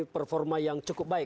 performa yang cukup baik